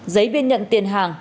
giấy biên nhận tiền hàng